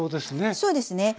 そうですね